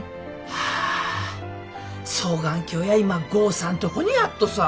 ああ双眼鏡や今豪さんとこにあっとさ。